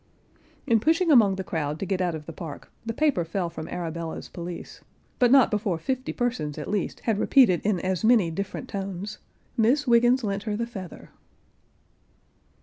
In pushing among the crowd, to get out of the park, the paper fell from Arabella's pelisse, but not before fifty persons, at least, had repeated in as many different tones, "Miss Wiggens lent her the feather."